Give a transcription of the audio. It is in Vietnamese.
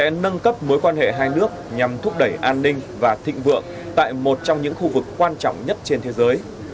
chúng tôi nâng cấp mối quan hệ hai nước nhằm thúc đẩy an ninh và thịnh vượng tại một trong những khu vực quan trọng nhất trên thế giới